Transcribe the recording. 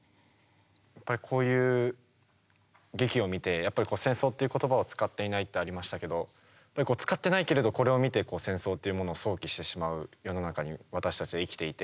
やっぱりこういう劇を見て戦争っていう言葉は使っていないってありましたけど使ってないけれどこれを見て戦争っていうものを想起してしまう世の中に私たちは生きていて。